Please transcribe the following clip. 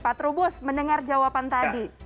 pak trubus mendengar jawaban tadi